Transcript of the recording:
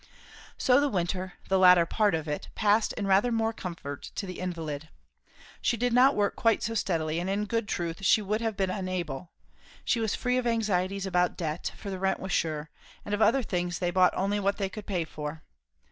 So the winter, the latter part of it, passed in rather more comfort to the invalid. She did not work quite so steadily, and in good truth she would have been unable; she was free of anxieties about debt, for the rent was sure; and of other things they bought only what they could pay for.